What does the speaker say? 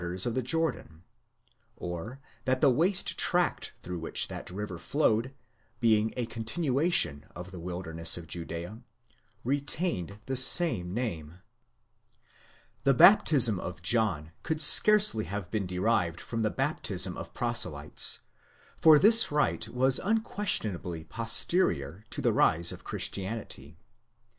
38 ἢ, RELATIONS BETWEEN JESUS AND JOHN THE BAPTIST, 215 of the Jordan,® or that the waste tract through which that river flowed, being a continuation of the wilderness of Judea, retained the same name.? The baptism of John could scarcely have been derived from the baptism of proselytes,' for this rite was unquestionably posterior to the rise of Christianity.